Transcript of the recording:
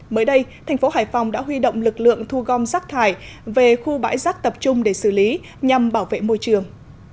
mới đây thành phố hải phòng đã huy động lực lượng thu gom rác thải về khu bãi rác tập trung để xử lý nhằm bảo vệ môi trường